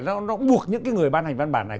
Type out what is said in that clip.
nó buộc những người ban hành văn bản này